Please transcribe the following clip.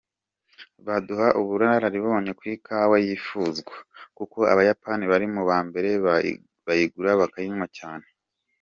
Bazaduha ubunararibonye ku ikawa yifuzwa, kuko Abayapani bari mu ba mbere bayigura bakanayinywa cyane”.